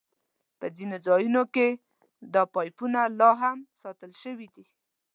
په ځینو ځایونو کې دا پایپونه لاهم ساتل شوي دي.